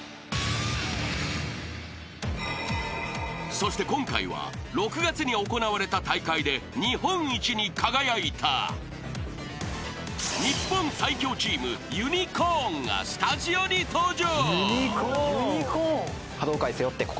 ［そして今回は６月に行われた大会で日本一に輝いた日本最強チームＵＮＩｃｏｒｎがスタジオに登場］